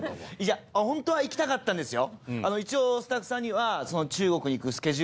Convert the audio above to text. ホントは行きたかったんですよ。